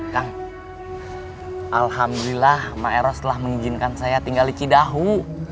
kang alhamdulillah maeros telah mengizinkan saya tinggal di cidahu